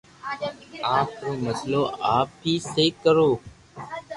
آپ رو مسلو آپ اي سھو ڪرو